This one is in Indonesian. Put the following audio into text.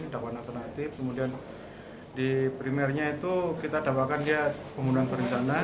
dakwaan alternatif kemudian di primernya itu kita dakwakan dia pembunuhan berencana